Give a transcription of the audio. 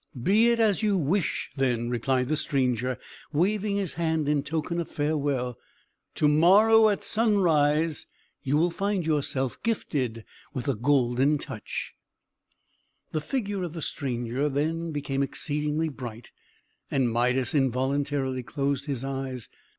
"Be it as you wish, then," replied the stranger, waving his hand in token of farewell. "To morrow, at sunrise, you will find yourself gifted with the Golden Touch." The figure of the stranger then became exceedingly bright, and Midas involuntarily closed his eyes.